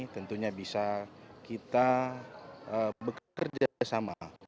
tentunya bisa kita bekerja sama